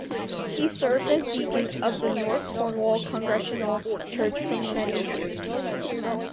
He served as deacon of the North Cornwall Congregational Church for many years.